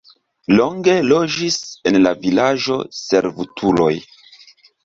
Longe loĝis en la vilaĝo servutuloj.